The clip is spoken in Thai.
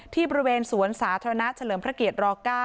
ที่บริเวณสวนสาธารณะเฉลิมพระเกียร๙